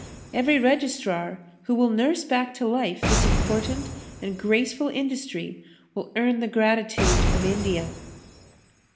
Every registrar who will nurse back to life this important and graceful industry will earn the gratitude of India.